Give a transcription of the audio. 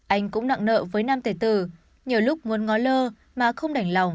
anh cũng nặng nợ với nam tài tử nhiều lúc muốn ngó lơ mà không đảnh lòng